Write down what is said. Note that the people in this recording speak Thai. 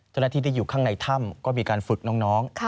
จนที่ได้อยู่ข้างในถ้ำก็มีการฝึกน้อง